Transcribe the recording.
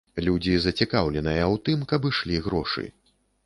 Людзі зацікаўленыя ў тым, каб ішлі грошы.